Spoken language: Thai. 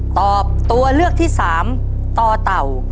ตอบตัวเลือกที่๓ต่อเต่า